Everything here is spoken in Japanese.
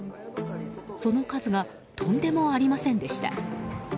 その数がとんでもありませんでした。